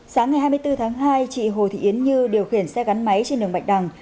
sáng ngày hai mươi bốn tháng hai chị hồ thị yến như điều khiển xe gắn máy trên đường bạch đằng